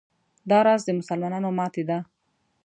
دا راز د مسلمانانو ماتې ده.